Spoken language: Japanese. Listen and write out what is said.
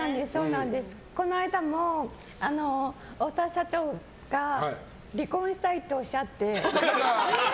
この間も太田社長が離婚したいとおっしゃって。